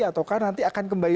atau nanti akan kembali